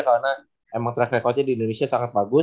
karena emang track record nya di indonesia sangat bagus